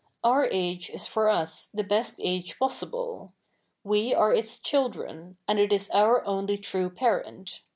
Our age is for us the best age possible. We a7 e its children, a7id it is our only true parent.